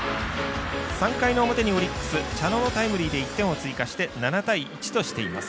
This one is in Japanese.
３回の表にオリックス茶野のタイムリーで１点を追加して７対１としています。